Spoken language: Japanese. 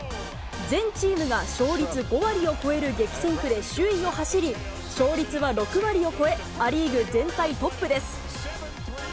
全チームが勝率５割を超える激戦区で首位を走り、勝率は６割を超え、ア・リーグ全体トップです。